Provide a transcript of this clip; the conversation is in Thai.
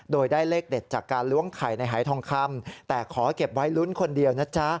โดยได้เลขเด็ดจากการล้วงไข่ในหายทองคำแต่ขอเก็บไว้ลุ้นคนเดียวนะจ๊ะ